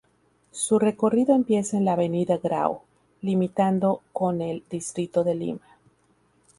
Su recorrido empieza en la Avenida Grau, limitando con el distrito de Lima.